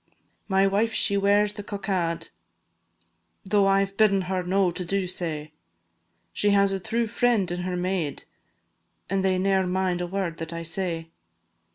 My wife she wears the cockade, Tho' I 've bidden her no to do sae, She has a true friend in her maid, And they ne'er mind a word that I say.